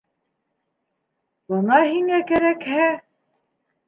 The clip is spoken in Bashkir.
Бына һиңә кәрәкһә!